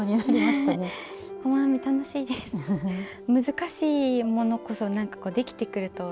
難しいものこそなんかできてくると。